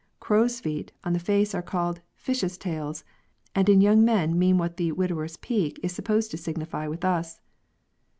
" Crows' feet" on the face are called *^ fishes' tails," and in young men mean what the widower's peak is supposed to signify with us.